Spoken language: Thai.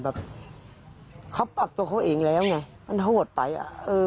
พวกมันต้องกินกันพี่